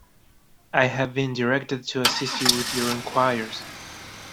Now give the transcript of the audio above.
I have been directed to assist you with your enquiries.